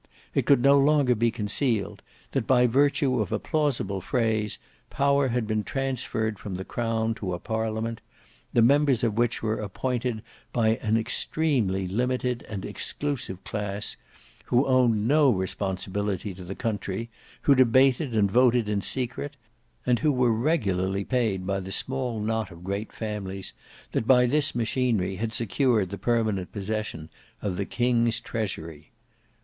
It could no longer be concealed, that by virtue of a plausible phrase power had been transferred from the crown to a parliament, the members of which were appointed by an extremely limited and exclusive class, who owned no responsibility to the country, who debated and voted in secret, and who were regularly paid by the small knot of great families that by this machinery had secured the permanent possession of the king's treasury.